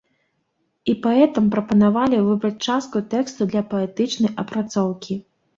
І паэтам прапанавалі выбраць частку тэксту для паэтычнай апрацоўкі.